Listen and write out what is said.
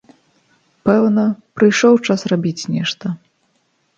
Пэўна, прыйшоў час рабіць нешта.